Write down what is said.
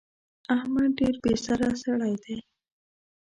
احمد ډېر بې سره سړی دی.